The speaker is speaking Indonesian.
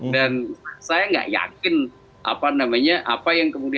dan saya nggak yakin apa namanya apa yang kemudian